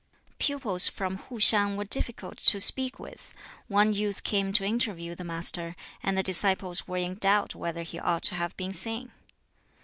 Pupils from Hu hiang were difficult to speak with. One youth came to interview the Master, and the disciples were in doubt whether he ought to have been seen.